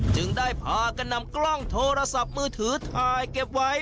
จึงได้พากันนำกล้องโทรศัพท์มือถือถ่ายเก็บไว้